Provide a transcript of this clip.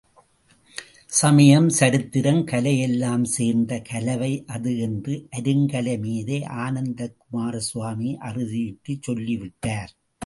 சமயம், சரித்திரம், கலை எல்லாம் சேர்ந்த கலவை அது என்று அருங்கலை மேதை ஆனந்தக் குமாரசுவாமி அறுதியிட்டுச் சொல்லிவிட்டார்.